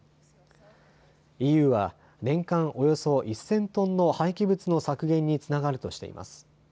ＥＵは年間およそ１０００トンの廃棄物の削減につながるとしています。